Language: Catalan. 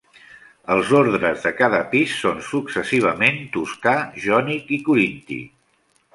Els ordres de cada pis són successivament toscà, jònic i corinti.